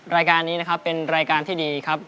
รายการนี้นะครับเป็นรายการที่ดีครับ